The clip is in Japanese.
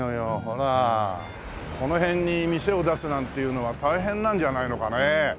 この辺に店を出すなんていうのは大変なんじゃないのかね。